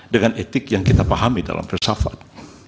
dengan etik yang kita pahami dalam filsafat